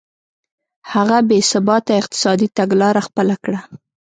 هغه بې ثباته اقتصادي تګلاره خپله کړه.